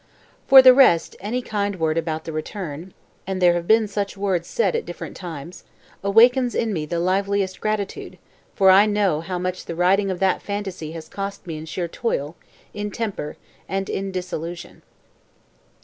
For the rest any kind word about The Return (and there have been such words said at different times) awakens in me the liveliest gratitude, for I know how much the writing of that fantasy has cost me in sheer toil, in temper, and in disillusion.